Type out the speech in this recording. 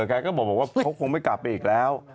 แกก็บอกว่าเขาคงไม่กลับไปอีกแล้ว